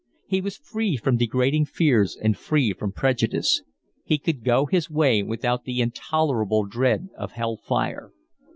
He was free from degrading fears and free from prejudice. He could go his way without the intolerable dread of hell fire.